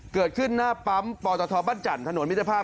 เกิดขึ้นหน้าปลำปศบันจันทร์ถนนมิจภาพ